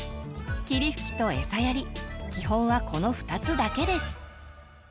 霧吹きとエサやり基本はこの２つだけです。